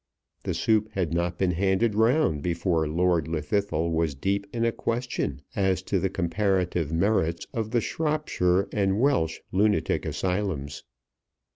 The soup had not been handed round before Lord Llwddythlw was deep in a question as to the comparative merits of the Shropshire and Welsh Lunatic asylums.